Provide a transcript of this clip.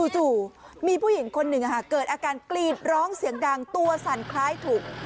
จู่มีผู้หญิงคนหนึ่งเกิดอาการกรีดร้องเสียงดังตัวสั่นคล้ายถูก